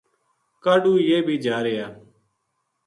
کاہڈو یہ بی جا رہیا